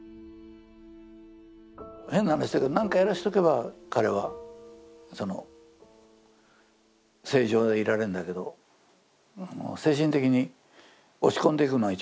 変な話だけど何かやらせとけば彼はその正常でいられんだけど精神的に落ち込んでいくのが一番怖かったんで。